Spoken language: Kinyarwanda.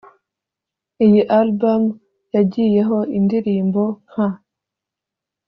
Iyi album yagiyeho indirimbo nka